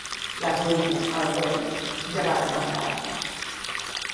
La pluja, el vent, ja va de mancada.